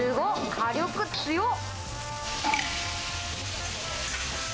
火力、強っ！